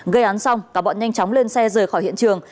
gây án xong cả bọn nhanh chóng lên xe rời khỏi hiện trường